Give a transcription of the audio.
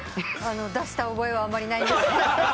出した覚えはあまりないんですけど。